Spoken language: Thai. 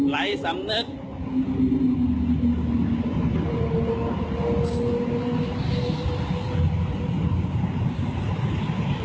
ไหลสำนึก